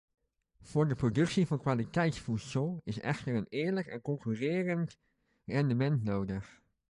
Voor de productie van kwaliteitsvoedsel is echter een eerlijk en concurrerend rendement nodig.